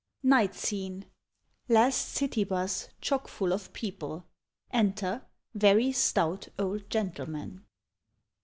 Night Scene — Last City 'bus, chock full of people. Enter — Veri/ stout old gentleman.